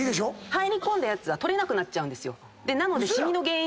入り込んだやつは取れなくなっちゃうんですよ。